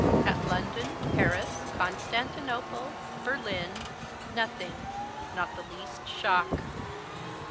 At London, Paris, Constantinople, Berlin, nothing, not the least shock.